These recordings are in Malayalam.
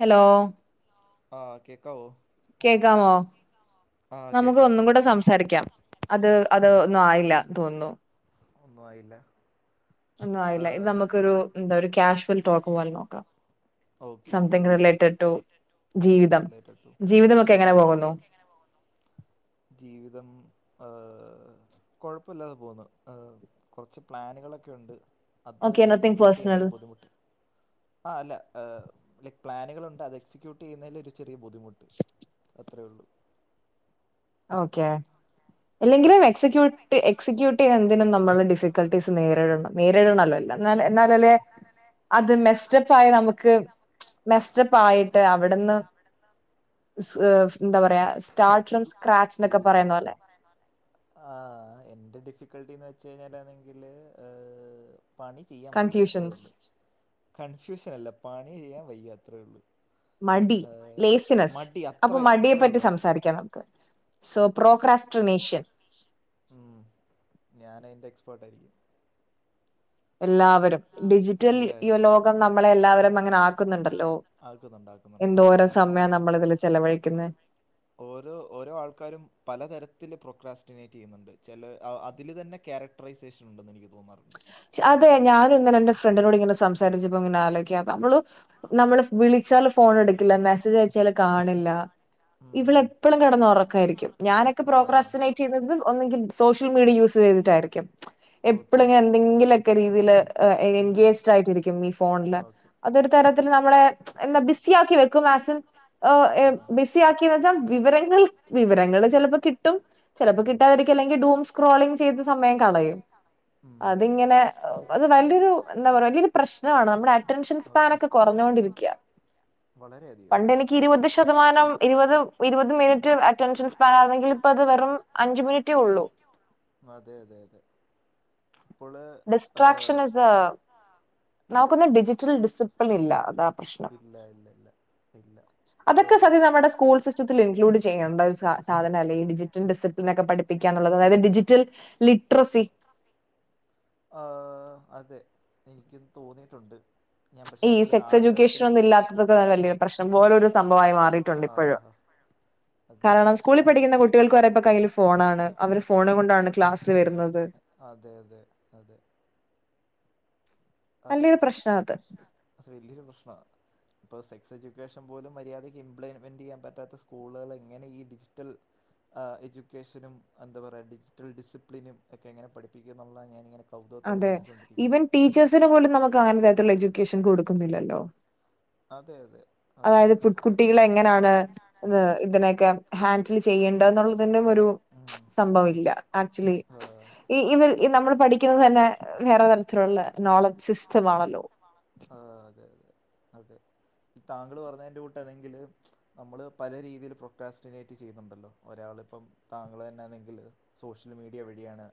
ഹലോ.. ആ കേക്കാവൊ.. കേക്കാമോ നമുക്ക് ഒന്നും കൂടെ സംസാരിക്കാം. അത് അത് ഒന്നും ആയില്ല തോന്നുന്നു.. ഒന്നും ആയില്ല. ഒന്നുംആയില്ല ഇത് നമുക്കൊരു എന്താ ഒരു കാഷ്വൽ ടോക്ക് പോലെ നോക്കാം സംതിങ് റിലേറ്റ്.. ട്ടട്ടു ജീവിതം ജീവിതമൊക്കെ എങ്ങനെ പോകുന്നു.. ജീവിതം ആഹ് കുഴപ്പമില്ലാതെ പോകുന്നു കുറച്ച് പ്ലാനുകളൊക്കെ ഉണ്ട്.. അത് എക്സിക്യൂട്ട് ചെയ്യുന്നതിൻ്റെ ബുദ്ധിമുട്ട്.. ആ അല്ല ലൈക് പ്ലാനുകളുണ്ട് അത് എക്സിക്യൂട്ട് ചെയ്യുന്നേൻ്റെ ഒരുച്. ചെറിയ ബുദ്ധിമുട്ട് അത്രയേ ഉള്ളു.. ഓക്കെ ഇല്ലെങ്കിലു വെ എക്സിക്യൂട്ട് എക്സിക്യൂട്ടീവ് എന്തിനും നമ്മള് ഡിഫിക്കൽട്ടീസ് നേരിടണം. നേരിടണല്ലോല്ല എന്ന എന്നാലല്ലേ.. അത് മെസ്റ്റപ്പയി നമുക്ക് മെസ്റ്റപ്പയിട്ട് അവിടുന്ന്.. സ് ഫ്‌ എന്താ പറയാ സ്റ്റാൾ ട്രംസ്. ഈ ആ എന്റെ ഡിഫിക്കൾട്ടിന്ന് വെച്ച കഴിഞ്ഞാൽ നാണെങ്കില് പണി.. ചെയ്യാൻ വയ്യാ അത്രേയള്ളു കൺഫ്യൂഷൻ അല്ല പണി ചെയ്യാൻ വയ്യാ അത്രേള്ളു.. മടി ലേസിനെസ് അപ്പൊ മടിയെ പറ്റി സംസാരിക്കാം നമുക്ക്.. സോ പ്രോഗ്രാസ്ട്രനേഷൻ.. ഉം ഞാൻ അയിന്റെ എക്സ്പാർട്ടാ യിരിക്കും.. എല്ലാവരും ഡിജിറ്റൽ ലോകം നമ്മളെ എല്ലാവരും അങ്ങനെ ആക്കുന്നുണ്ടല്ലോ. എന്തോരം സമയ നമ്മളതില് ചെലവഴിക്കുന്നെ. ഓരോ ഓരോ ആൾക്കാരും പലതരത്തിൽ പ്രക്രാസറ്റിനേറ്റ് ചെയ്യുന്നുണ്ട് ചില അതിൽ തന്നെ ക്യാര.. ട്രൈസെഷൻ ഉണ്ട് എന്ന് എനിക്ക് തോന്നാറുണ്ട്. അതെ ഞാനും ഇങ്ങനെ എന്റെ ഫ്രണ്ടിനോട് ഇങ്ങനെ സംസാരിച്ചപ്പോ ഇങ്ങനെ ആലോക്ക അവളും നമ്മള്. വിളിച്ചാല് ഫോൺ എടുക്കില്ല മെസ്സേജ് അയച്ചാല് കാണില്ല ഇവള് എപ്പോഴും കിടന്ന് ഉറക്കായിരിക്കും ഞാനൊ.. ക്കെ പ്രോക്രാസ്റ്റനൈറ്റിയുന്നത് ഒന്നുകിൽ സോഷ്യൽ മീഡിയ യൂസ് ചെയ്തിട്ടരിക്കും എപ്പഴും.. എന്തെങ്കിലൊക്കെ രീതിയില് എൻഗേജ്‌ട് ആയിട്ടിരിക്കും ഈ ഫോണില് അതൊര്.. തരത്തിൽ നമ്മളെ എന്താ ബിസ ആക്കി വെക്കും ആസിൻ. ഒ ഏ ബിസി ആക്കി വെച്ചാൽ വിവരങ്ങൾ വിവരങ്ങള് ചിലപ്പോ കിട്ടും.. ചിലപ്പോ കിട്ടാതിരിക്ക അല്ലെങ്കിൽ ഡൂം സ്ക്രോളിംഗങ് ചെയ്ത സമയം കളയും.. അതിങ്ങനെ അത് വലിയൊരു എന്താ പറ വലിയൊരു പ്രശ്നമാണ് നമ്മുടെ അറ്റൻഷൻ സ്പാനൊക്കെ. സ്പനൊക്കെ കൊറഞ്ഞോണ്ടിരിക്കും വളരെയധികം പണ്ട് എനിക്ക് ഇരുപത് ശതമാനം ഇരുപത് ഇരുപത് മിനിറ്റ് അറ്റൻഷൻ സ്പാൻ ആന്നെങ്കിൽ ഇപ്പ അത് വെറും.. അഞ്ച് മിനിറ്റേ ഉള്ളൂ. അതെ അതെ അതെ. ഡിസ്ട്രാക്ഷൻ ഇസ് നമുക്കൊന്നും ഡിജിറ്റൽ ഡിസിപ്ലിൻ ഇല്ല അത.. പ്രശ്നം അതൊക്കെ സദ്യയ നമ്മുടെ സ്കൂൾ സിസ് സ്‌റ്റത്തില് ഇക്ലൂഡ് ചെയ്യേണ്ട ഒരു സാധന അല്ലേ ഈ ഡിജിറ്റൻ്റ്റ്സ് എന്നൊക്കെ പഠിപ്പിക്ക എന്നുള്ളത് അതായത് ഡിജിറ്റൽ ലിറ്ററസി.. ആ അതെ എനിക്കും തോന്നിയിട്ടുണ്ട്.. ഈ സെക്സ് എഡ്യൂക്കേഷൻ ഒന്നും ഇല്ലാത്തതൊക്കെ വലിയരു പ്രശ്നം ഓരോരു സംഭവമായി മാറിയിട്ടുണ്ട് ഇപ്പോഴും അഹ് കാരണം സ്കൂളിൽ പഠിക്കുന്ന കുട്ടികൾക്ക് വരെ ഇപ്പ കയ്ല് ഫോണാണ് അവര് ഫോണും കൊണ്ടാണ് ക്ലാസ്സില് വരുന്നത് അതെ അതെ അതെ അതെ അത് വലിയൊരു പ്രശ്നമാണ് ഇപ്പോൾ സെക്സ് എഡ്യൂക്കേഷൻ പോലും മര്യാദയ്ക്ക് ഇംപ്ലിമെന്റ് ചെയ്യാൻ പറ്റാത്ത സ്കൂളുകൾ എങ്ങനെ ഈ ഡിജിറ്റൽ ആ എഡ്യൂക്കേഷനും എന്താ പറയുക ഡിജിറ്റൽ ഡിസിപ്ലിനും ഒക്കെ എങ്ങനെ പഠിപ്പിക്കു എന്നുള്ള ഞാനിങ്ങനെ അതെ ഈവൻ ടീച്ചേഴ്സിന് പോലും നമുക്ക് അങ്ങനെതായിട്ടുള്ള എഡ്യൂക്കേഷൻ കൊടുക്കുന്നില്ലല്ലോ അതെ അതെ അതായത് പുട് കുട്ടികളെ എങ്ങനാണ് ഇത് ഇതിനൊക്കെ ഹാൻഡിൽ ചെയ്യേണ്ടെ എന്നുള്ളതിന്റെും ഒരു സംഭവം ഇല്ല ആക്ച്വലി ഈ ഇവർ നമ്മൾ പഠിക്കുന്നത് തന്നെ വേറെ തരത്തിലുള്ള നോളജ് സിസ്റ്റം ആണല്ലോ ആഹ് അതെ അതെ അതെ താങ്കള് പറഞ്ഞെന്റെ കൂട്ട് ആണേങ്കില് നമ്മള് പല രീതിയിൽ പ്രൊട്ടാസ്റ്റിനേറ്റ് ചെയ്യുന്നുണ്ടല്ലോ ഒരാള ഇപ്പം താങ്കൾ തന്നെയണെങ്കില് സോഷ്യൽ മീഡിയ വഴിയാണ്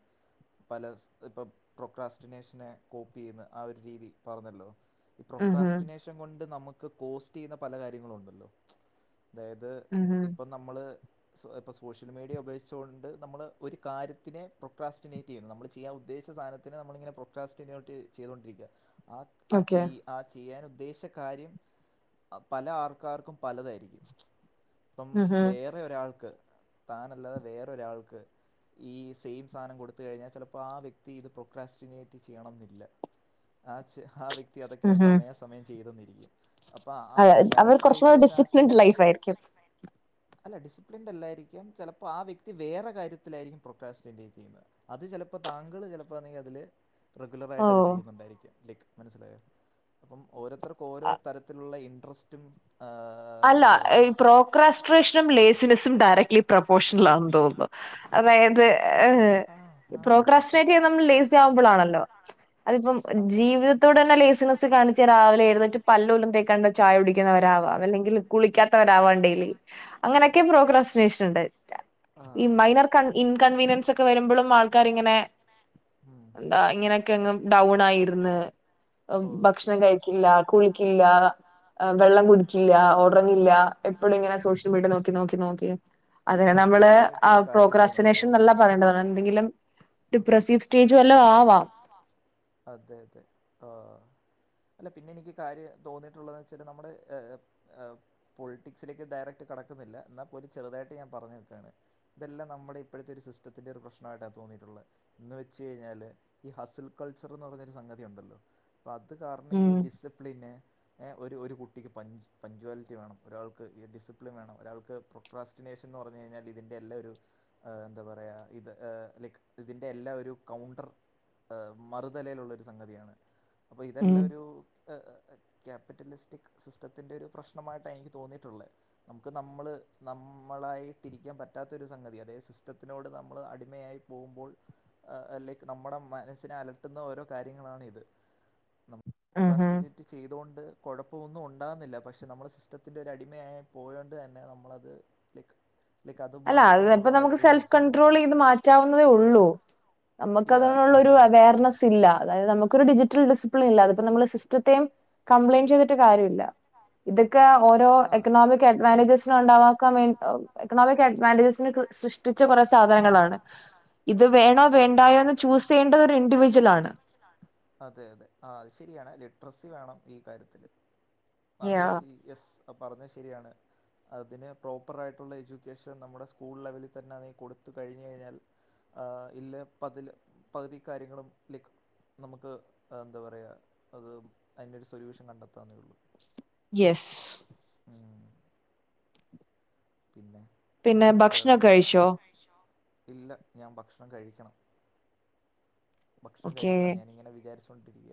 പല ഇപ്പം പ്രൊക്രാസ്റ്റിനേഷനെ കോപ്പി ചെയ്യന്ന് ആ ഒരു രീതി പറഞ്ഞല്ലോ ഈ പ്രൊക്രാസ്റ്റിനേഷൻ കൊണ്ട് നമുക്ക് കോസ്റ്റ് ചെയ്യുന്ന പല കാര്യങ്ങളും ഉണ്ടല്ലോ അതായത് ഇപ്പം നമ്മള് ഇപ്പോൾ സോഷ്യൽ മീഡിയ ഉപയോഗിച്ചുകൊണ്ട് നമ്മൾ ഒരു കാര്യത്തിനെ പ്രൊക്കാസ്റ്റിനേറ്റ് ചെയ്യുന്നു നമ്മൾ ചെയ്യാൻ ഉദ്ദേശിച്ച സാന ത്തിനെ നമ്മളിങ്ങനെ പ്രൊക്കാ സ്റ്റിനോട്ട് ചെയ്തൊണ്ടിരിക്ക ആ ആ ചെയ ആ ചെയ്യാൻ ഉദ്ദേശിച്ച കാര്യം പല ആൾക്കാർക്കും പലതായിരിക്കും ഇപ്പം വേറെ ഒരാൾക്ക് താനല്ലാതെ വേറൊരാൾക്ക് ഈ സെയിം സാനം കൊടുത്ത് കഴിഞ്ഞാൽ ചിലപ്പോൾ ആ വ്യക്തി ഇത് പ്രൊക്രാസ്റ്റിനേറ്റ് ചെയ്യണന്നില്ല ആ ച ആ വ്യക്തി അതൊക്കെ സമയാസമയം ചെയ്തന്നിരിക്കും അപ്പ ആ ക്യാരക്ടറൈസേഷൻ ആസൻ അല്ല ഡിസിപ്ലിൻഡ് അല്ലായിരിക്കും ചിലപ്പോ ആ വ്യക്തി വേറെ കാര്യത്തിലായിരിക്കും പ്രൊക്കാ സ്റ്റിനേറ്റ് ചെയ്യുന്നത് അത് ചെലപ്പോ താങ്കള് ചിലപ്പോണെങ്കിൽ അതില് റെഗുലർ ആയിട്ട് അത് ചെയ്യുന്നുണ്ടായിരിക്കും ലൈക്ക് മനസ്സിലായോ അപ്പം ഓരോരുത്തർക്കും ഓരോ തരത്തിലുള്ള ഇൻട്രസ്റ്റും ആഹ് അല്ല പ്രോക്രാസ്ട്രേഷനും ലേസിനെസും ഡയറക്ട്ലി പ്രപ്പോഷണലാെന്ന് തോന്നുന്നു അതായത് പ്രോക്രസ്റ്റേറ്റ് ചെയ്ന്ന നമ്മൾ ലേസ് ആവുമ്പോളാണല്ലോ അതിപ്പം ജീവിതത്തോട് ലേസിനെസ് കാണിച്ച് രാവിലെ എഴുന്നേറ്റ് പല്ല് പോലും തേക്കാണ്ട് ചായ കുടിക്കുന്നവരാവാം അല്ലെങ്കി കുളിക്കാത്തവരാവാ ഡെലി അങ്ങനെയൊക്കെ പ്രോക്രാസ്നേഷനുണ്ട് ഈ മൈനർ കൺ ഇൻകൺവീനിയൻസ് ഒക്കെ വരുമ്പളും ആൾക്കാർ ഇങ്ങനെ എന്താ ഇങ്ങനെയൊക്കെങ്ങ് ഡൗൺ ആയിരുന്ന് ഭക്ഷണം കഴിക്കില്ല കുളിക്കില്ല വെള്ളം കുടിക്കില്ല ഉറങ്ങില്ല എപ്പളും ഇങ്ങനെ സോഷ്യൽ മീഡിയ നോക്കി നോക്കി നോക്കി അതെ നമ്മള് പ്രോഗ്രാസ്റ്റിനേഷൻ ന്നല്ല പറയേണ്ട അങ്ങനെ എന്തെങ്കിലും ഡിപ്രെസ്സീവ്സ് സ്റ്റേജ് വല്ല അതെ അതെ ആഹ് അല്ല പിന്നെ എനിക്ക് കാര്യം തോന്നിയിട്ടുള്ളതെന്ന് വെച്ചാല് നമ്മുടെ ഏഹ് ഏഹ് പൊളിറ്റിക്സിലേക്ക് ഡയറക്റ്റ് കടക്കുന്നില്ല എന്നാൽ പോലും ചെറുതായിട്ട് ഞാൻ പറഞ്ഞു വെക്കാണ് ഇതെല്ലാം നമ്മുടെ ഇപ്പഴത്തെ ഒരു സിസ്റ്റത്തിൻ്റെ ഒരു പ്രശ്നമായിട്ടാണ് തോന്നിയിട്ടുള്ളത് എന്ന് വെച്ച് കഴിഞ്ഞാൽ ഈ ഹസിൽ കൾച്ചർന്ന് പറഞ്ഞൊരു സംഗതി ഉണ്ടല്ലോ അപ്പൊ അത് കാരണം ഈ ഡിസിപ്ലിന് ഏഹ് ഒരു ഒരു കുട്ടിക്ക് പഞ്ച് പഞ്ചോലിറ്റി വേണം ഒരാൾക്ക് ഈ ഡിസിപ്ലിൻ വേണം ഒരാൾക്ക് പ്രൊക്രാസ്റ്റിനേഷൻ എന്ന് പറഞ് കഴിഞ്ഞാൽ ഇതിൻ്റെ എല്ലൊരു ഏഹ് എന്താ പറയാ ഇത് ലൈക്ക് ഇതി്ന്റെ എല്ലാ ഒരു കൗണ്ടർ ഏഹ് മറുതലയിലുള്ളൊരു സംഗതിയാണ് അപ്പൾ ഇതെല്ലാം ഒരു ഏഹ് ക്യാപിറ്റലിസ്റ്റിക് സിസ്റ്റത്തിൻ്റെ ഒരു പ്രശ്നമായിട്ടാ എനിക്ക് തോന്നിയിട്ടുള്ളെ. നമുക്ക് നമ്മള് നമ്മളായിട്ടിരിക്കാൻ പറ്റാത്തൊരു സംഗതി അതേ സിസ്റ്റത്തിനോട് നമ്മൾ അടിമയായി. പോവുമ്പോൾ ഏഹ് ലൈക്ക് നമ്മുടെ. മനസ്സിനെ അലട്ടുന്ന ഓരോ കാര്യങ്ങളാണിത് [unintelligible] നേറ്റ് ചെയ്തൊണ്ട് കൊഴപ്പൊന്നും ഉണ്ടാകുന്നില്ല. പക്ഷെ നമ്മൾ സിസ്റ്റത്തിൻന്റെറെ ഒരു അടിമയായി പോയൊണ്ട് തന്നെ നമ്മളത്. ലൈക്‌ അല്ല അത് ഇപ്പൊ നമുക്ക് സെൽഫ് കൺണ്ട്രോൾ ചെയ്ത് മാറ്റാവുന്നതേ ഉള്ളൂ. നമ്മക്ക് അതിനുള്ള ഒരു അവയർനെസ്. ഇല്ല അതായത് നമുക്കൊരു ഡിജിറ്റൽ ഡിസിപ്ലിൻ ഇല്ല അതിപ്പം നമ്മള് സിസ്റ്റത്തേം കമ്പ്ളേന്റ് ചെയ്. ചെയ്തിട്ട് കാരുല്ല്യ ഇതൊക്കെ ഓരോ എക്കണോമിക് ക്ക് അഡ്വാൻറേജസ് ഉണ്ടാവാൻ [unintelligible] എക്കണോമിക് അഡ്വാൻറേജസിനെ സൃഷ്ട ടിച്ച കൊറേ സാധനങ്ങളാണ്. ഇത് വേണോ വേണ്ടായോന്ന് ചൂസെയ്യേണ്ടത് ഒരു ഇൻഡിവിജ്വൽ ആണ്. അതെ അതെ ആഹ് അത് ശരിയാണ്. ലിറ്റ്റസി വേണം ഈ കാര്യത്തിൽ. അത് യസ് ആഹ് പറഞ്ഞത് ശരിയാണ്. അതിന് പ്രോപ്പറായിട്ടുള്ള എഡ്യൂക്കേഷൻ നമ്മുടെ സ്കൂൾ ലെവലിൽ തന്നെ അതിന് കൊടു. ത്ത്. കഴിഞ്ഞ് കഴിഞ്ഞാൽ ഏഹ് ഇല്ല പതില് പകുതി കാര്യങ്ങളും ലൈക്ക്. നമുക്ക് എന്താ പറയ അത് അതിൻ്റെ ഒരു സൊല്യൂഷൻ കണ്ടെത്താവുന്നേ ഉള്ളൂ. യെസ്. ഉം പിന്നെ. പിന്നെ ഭക്ഷണൊക്കെ കഴിച്ചോ? കഴിച്ചോ?. ഇല്ല ഞാൻ ഭക്ഷണം കഴിക്കണം ഭക്ഷണം കഴിക്കണം ഞാനിങ്ങനെ വിചാരിച്ചു.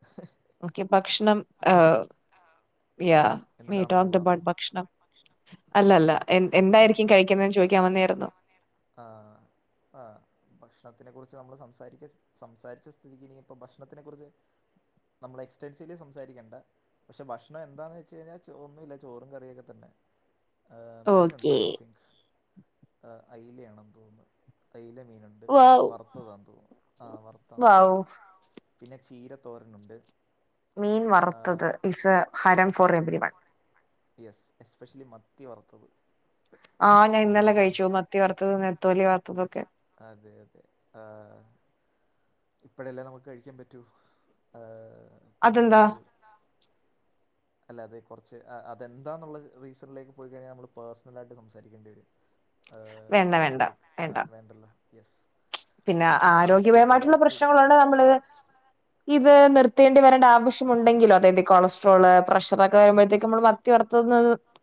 [unintelligible] ഓക്കെ ഭക്ഷണം ഏ യാ വീ ടോക്ക്ഡ് അബൗട് ഭക്ഷണം. അല്ലല്ല എന്തായിരിക്കും കഴിക്കുന്നതന്ന് ചോദിക്കാൻ വന്നേയിരുന്നു. ആഹ് ആഹ്. ഭക്ഷണത്തിനെ കുറിച്ച് നമ്മൾ സംസാരിക്ക സംസാരിച്ച സ്ഥിതിക്ക് ഇനി ഇപ്പോ ഭക്ഷണത്തിനെ കുറിച്ച്. നമ്മൾ എക്സ്റ്റെൻസിവ് ലി സംസാരിക്കേണ്ട. പക്ഷെ ഭക്ഷണം എന്താന്ന് ചോയ്ച്ച് കഴിഞ്ഞാൽ ചോ ഒന്നുല്ല ചോറും കറിയൊക്കെ തന്നെ. ഏഹ് മീനുണ്ട് ഐ തിങ്ക് അയ്ലയാണെന്ന് തോന്നുന്ന്. അയിലെ മീനു.. ണ്ട് വറുത്തതാന്ന് തോന്നുന്നു. ആഹ് വറുത്താണ് തോന്നുന്നു. പിന്നെ ചീര തോരനുണ്ട്. മീൻ വറുത്തത് ഇറ്റ്സ് എ ഹരം for everyone. Yes especially മത്തി വറുത്തത്. ആഹ് ഞാൻന്നലെ കഴിച്ചു മത്തി വറുത്തത് നെത്തോലി വർത്ത. അതെ അതെ ആഹ്. ഇപ്പളല്ലെ നമുക്ക് കഴിക്കാൻ പറ്റൂ. ഏഹ് പിന്നെ നമ്മൾ. അല്ല അതെ കൊറ്ച്ച് അതെന്താന്നുള്ള റീസണിലേക്ക് പോയി കഴിഞ്ഞാൽ നമ്മൾ പേഴ്സണലായിട്ട് സംസാരിക്കേണ്ടി വരും. വേണ്ട വേണ്ട വേണ്ട. പിന്നെ ആരോഗ്യപരമായിട്ടുള്ള പ്രശ്നങ്ങളണ്ട് നമ്മള്. ഇത് നിർത്തേണ്ടി വരണ്ട ആവശ്യമുണ്ടെങ്കിലും അതായത് കൊളസ്ട്രോള് പ്രഷറൊക്കെ വരുമ്പോഴത്തേക്കും നമ്മൾ. മ. ത്തി വറുത്തത്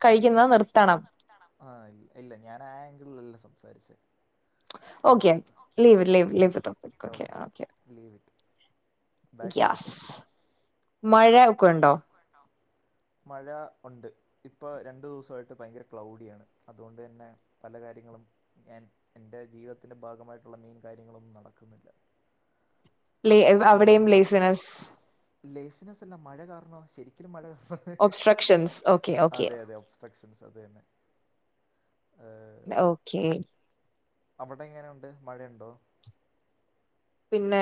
കഴിക്കുന്നത് നിർത്തണം. ത്തണം. ആഹ് ഇല്ല ഞാൻ ആഹ് ആംഗിളിലല്ല സംസാരിച്ചേ. Okay leave leave leave. [unintelligible] Okay okay yes മഴ ഒക്കൊ ഉണ്ടോ? മഴ ഉണ്ട്. ഇപ്പോ രണ്ടു ദിവസായിട്ട് ഭയങ്കര ക്ലൗഡിയാണ്. അതുകൊണ്ട് തന്നെ പല കാര്യങ്ങളും. ഞാൻ എന്റെ ജീവിതത്തിന്റെ ഭാഗമായിട്ടുള്ള മെയിൻ കാര്യങ്ങളൊന്നും നടക്കുന്നില്ല. ലെ അവിടെയും ലേസിനസ്. സ്. ലേസിനെസ് അല്ല മഴ കാരണോ ശരിക്കിലും മഴ കാരണ. ഒബ്സ്ട്രക്ഷൻസ്അതെ അതെ. ഒബ്സ്ട്രക്ഷൻസ് അത് തന്നെ. ഓക്കെ. അവിടെ എങ്ങനെയുണ്ട് മഴയുണ്ടോ? പിന്നേ.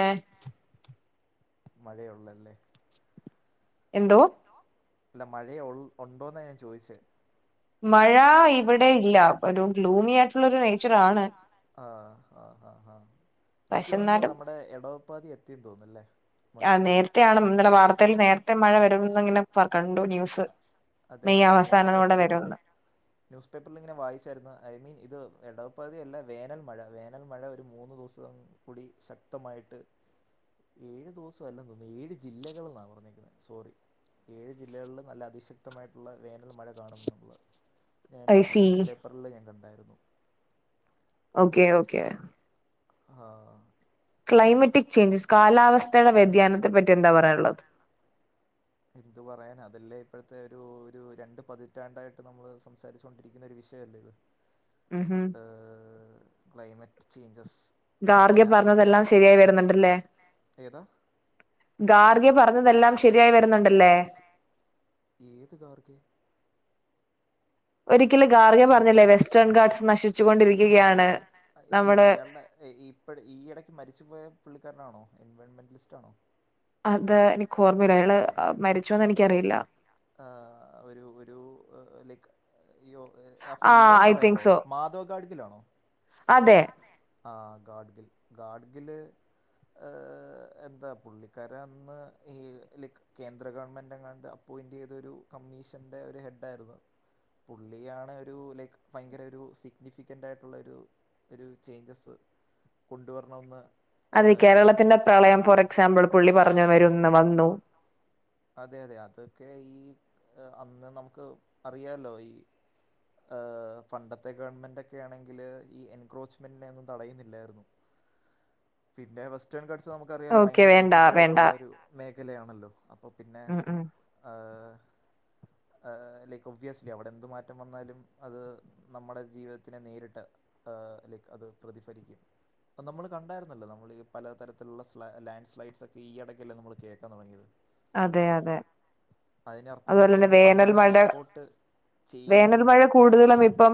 മഴയുള്ളല്ലേ? എന്തോ? അല്ല മഴയയൊണ്ടോന്നാ ഞാൻ ചോദിച്ചെ? മഴ ഇവിടെ ഇല്ല. ഒരു ഗ്ലൂമി ആയിട്ടുള്ള ഒരു നേച്ചർ ആണ്. ആഹ് ആഹ് ആഹ് ആഹ് എനിക്ക് തോനുന്ന് നമ്മുടെ എടവപ്പാതി എത്തിന്ന് തോന്നുന്നല്ലേ മൺസൂൺ. ആഹ് നേരത്തേ ആണ് ഇന്നലെ വാർത്തേൽ നേരത്തെ മഴവരുന്ന്ങ്ങനെ കണ്ടു. അതെ ഞാൻ ന്യൂസ് പേപ്പറിലും. ന്യൂസ് പേപ്പറിൽ ഇങ്ങനെ വായിച്ചായിരുന്നു. ഐ മീൻ ഇത് എടവപ്പാതിയല്ല. വേനൽമഴ, വേനൽമഴ ഒരു മൂന്ന് ദിവസം കുടി ശക്തമായിട്ട്. ഏഴ് ദിവസം അല്ലന്ന് തോന്നുന്നു. ഏഴ് ജില്ലകൾന്നാണ് പറഞ്ഞേക്കണത്. സോറി. ഏഴ് ജില്ലകളിൽ നല്ല അതിശക്തമായിട്ടുള്ള വേനൽ മഴ കാണും. ന്നുള്ളത് ഞാൻ ന്യൂസ് പേപ്പറ്ൽ ഞാൻ കണ്ടായിരുന്നു. Okay okay. ആഹ. Climatic changes. കാലാവസ്ഥയുടെ വ്യതിയാനത്തെപ്പറ്റി എന്താ പറയാനുള്ളത്? എന്തു പറയനാ, അതല്ലേ ഇപ്പോഴത്തെ ഒരു ഒരു രണ്ട് പതിറ്റാണ്ടായിട്ട് നമ്മള് സംസാരിച്ചൊണ്ടിരിക്കുന്ന ഒരു വിഷയല്ലേ ഇത്.? ഉം ഉം. Climate changes. പിന്നെ. വാർത്തേ പറഞ്ഞതെല്ലാം ശരിയായി വരുന്നുണ്ടല്ലോ? ഏതാ? ഗാർഗെ പറഞ്ഞതെല്ലാം ശരിയായി വരുന്നുണ്ടല്ലേ? ഏത് ഗാർഗെ? ഒരിക്കല് ഗാർജ പറഞ്ഞില്ലേ? വെസ്റ്റേൺ ഗാർഡ്സ് നശിച്ചൊണ്ടിരിക്കുകയാണ്. അയ്യോ അയാളുടെ. ഇപ്പ ഈ ഇടയ്ക്ക് മരിച്ചു പോയ പുള്ളിക്കാരനാണോ? എൻവയോമെന്റലിസ്റ്റ് ആണോ? അതെ. എനിക്ക് ഓർമ്മയില്ല അയാള് മരിച്ചോന്ന് എനിക്കറിയില്ല. ഒരു ഒരു ലൈക്ക് ഇയ്യോ. ആ ഫുൾ നെയിം പറയാവോ? മാധവ് ഗാഡ്ഗിൽ ആണോ? ആ ഗാഡ്ഗിൽ, ഗാഡ്ഗില് എന്താ പുള്ളിക്കാരൻഅന്ന് ഈ ലിക്ക്- കേന്ദ്ര ഗവൺമെന്റ് എങ്ങാണ്ട് അപ്പോയിന്റ് ചെയ്തൊരു കമ്മീഷന്റെ ഒരു ഹെഡായിരുന്നു. പുള്ളിയാണ് ഒരു ലൈക്ക്, ഭയങ്കര ഒരു സിഗ്നിഫിക്കന്റ് ആയിട്ടുള്ള ഒരു- ഒരു ചേഞ്ചസ് കൊണ്ടുവരണമെന്ന്. കേരളത്തിന്റെ പ്രളയം, ഫോർ എക്സാമ്പിൾ പുള്ളി പറഞ്ഞു വരുംന്ന്, വന്നു. അതെ അതെ. അതൊക്കെ ഈ അന്ന് നമുക്ക് അറിയാലോ? ഈ- പണ്ടത്തെ ഗവൺമെൻറ്ക്കെ ആണെങ്കിൽ ഈ എൻക്രോച്ച്മെന്റിനെന്നും തടയുന്നില്ലായിരുന്നു. പിന്നെ വെസ്റ്റേൺ കഡ്സ് നമുക്ക് അറിയാലോ ഭയങ്കര സെൻസിറ്റീവ് ആയിട്ടുള്ള ഒരു. മേഖലയാണല്ലോ? അപ്പോ പിന്നെ. ലൈക്ക് ഒബിയസ്ലി അവിടെ എന്ത് മാറ്റം വന്നാലും. അത് നമ്മുടെ ജീവിതത്തിനെ നേരിട്ട് ലൈക്ക് അത് പ്രതിഫലിക്കും. നമ്മൾ കണ്ടായിരുന്നല്ലോ? നമ്മൾ ഈ പല തരത്തിലുള്ള സ് ലാൻഡ് സ്ലൈഡ്സ് ഒക്കെ ഈ ഇടക്കല്ലേ നമ്മൾ കേൾക്കാൻ തുടങ്ങിയത്. അതെ അതെ. അതുപോലെ തന്നെ, വേനൽ മഴ. വേനൽ മഴ, കൂടുതലും ഇപ്പം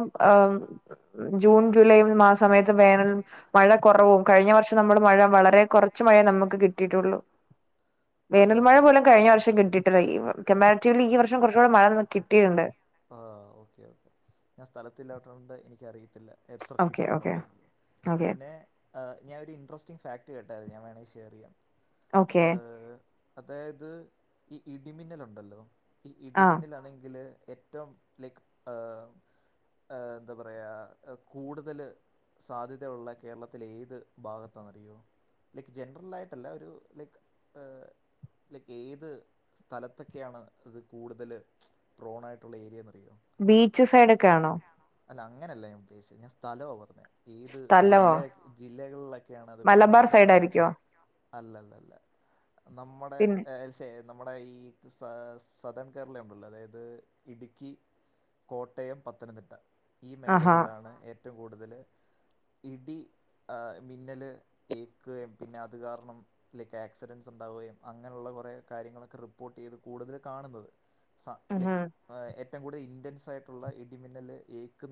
ജൂൺ ജൂലൈയും ആ സമയത്ത് വേനൽ. മഴ കുറവും, കഴിഞ്ഞ വർഷം നമ്മള് മഴ വളരെ കുറച്ച് മഴയേ നമുക്ക് കിട്ടിയിട്ടുള്ളു. വേനൽ മഴ പോലും കഴിഞ്ഞ വർഷം കിട്ടയിട്ടില്ല. ഈ കെമാനറ്റീരിൽ ഈ വർഷം കുറച്ച കൂടെ മഴ കിട്ടയിട്ടുണ്ട്. ആ ഓക്കെ ഓക്കെ. ഞാൻ സ്ഥലത്തില്ലാത്തോണ്ട് എനിക്കറിയത്തില്ല. എത്ര കിട്ടീന്നുള്ളത് പിന്നെ ആഹ് ഞാ ഒരു ഇൻട്രസ്റ്റിങ് ഫാക്ട് കേട്ടായ്രുന്നു ഞാൻ വേണങ്കി ഷെയറെയ്യാം ഏഹ് അതായത് ഈ ഇടിമിന്നലുണ്ടല്ലോ ഈ ഇടിമിന്നലാണെങ്കില് എറ്റ് റ്റം ലെക്ക് എം എന്താ പറയ്ആ കൂടുതല് സാധ്യതയുള്ള കേരളത്തിലെ ഏത് ഭാഗത്താ അറിയോ ലെക്ക് ജൻ്റർലായിട്ടല്ല ഒരു ലെക്ക് ഏ അല്ലങ്കി ഏത് സ്ഥലത്തൊക്കെണ് ഇത് കൂടുതലങ പ്രോണായിട്ടുള്ള ഏരിയന്നറിയോ അല്ല അങ്ങനെല്ല ഞാൻ ഉദ്ദേശിച്ചെ ഞാൻ സ്ഥലാ പറഞ്ഞേ ഏത് ജില്ല ജില്ലകൾലൊക്കെണ് അത് കുറേ കൂടെ സാ അല്ലല്ല അല്ല ന്നമ്മുടെ ഏ ൽ സ് ഏത് ന്നമ്മുടെ ഈ സാ സദൺ കേരളയുണ്ടല്ലോ അതായത് ഇടുക്കി കോട്ടയം പത്തനംതിട്ട ഈ മേഖലൾലാണ് ഏറ്റവും കൂടുതല് ഇടി ആഹ് മിന്നല് ഏക്കുകയും പിന്നെ അത് കാരണം ലേക്ക് ആക്സിഡൻസ് ഉണ്ടാവുകയും അങ്ങനെയുള്ള കൊറെ കാര്യങ്ങളൊക്കെ റിപ്പോട്ടെയ്ത് കൂടുതല് കാണുന്നത് സ ലേക്ക് ആഹ് ഏറ്റം കൂടുതൽ ഇൻ്റൻസായിട്ടുള്ള ഇടിമിന്നല് ഏക്കുന്നത്